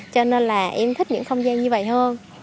cho nên là em thích những không gian như vậy hơn